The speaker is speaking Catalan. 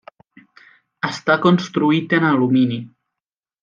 Està construït en alumini.